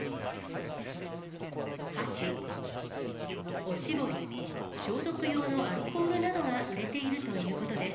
箸、おしぼり、消毒用のアルコールなどが売れているということです。